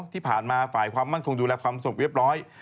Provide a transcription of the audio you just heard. ที่ผ่านมาฝ่ายความมั่นคงดูแลความสงบเรียบร้อย